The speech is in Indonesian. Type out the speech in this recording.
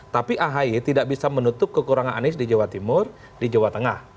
tapi ahy tidak bisa menutup kekurangan anies di jawa timur di jawa tengah